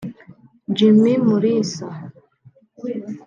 Jimmy Mulisa